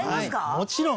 もちろん。